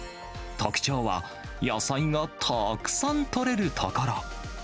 特徴は野菜がたくさんとれるところ。